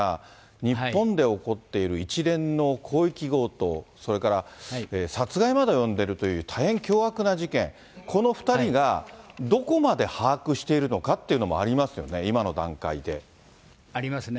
日本で起こっている一連の広域強盗、それから殺害まで及んでるという、大変凶悪な事件、この２人がどこまで把握してるのかというのもありますよね、今のありますね。